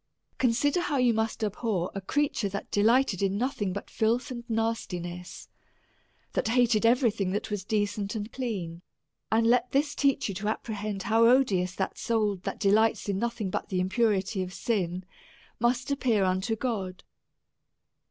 Consider how you must abhor a creature that de lighted in nothing but filth and nastiness, that hated every thing that was decent and clean ; and let this teach you to apprehend how odious that soul, that de lights in nothing but the impurity of sin, must appear unto God.